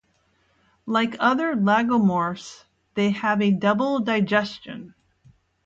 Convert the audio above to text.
Like other lagomorphs, they have a double digestion.